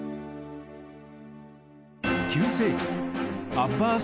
９世紀アッバース